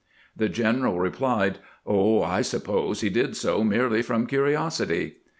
The gen eral replied: "Oh, I suppose he did so merely from curiosity."